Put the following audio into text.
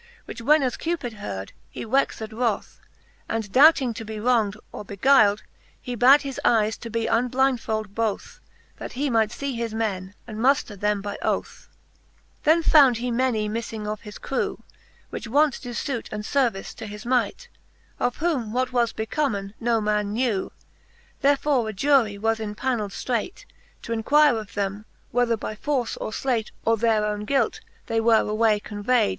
Which when as Cupid heard, he wexed wroth, And doubting to be wronged, or beguyled, He bad his eyes to be unblindfold both, That he might fee his men, and mufter them by oth^ XXXIV. Then found he many miffing of his crew,. Which wont doe fuit and fervice to his might ; Of whom what was becomen, no man knew. Therefore a Jurie was impaneld ftreight, T' enquire of them, whether by force, or fleight^ Or their owne guilt, they were away convay'd.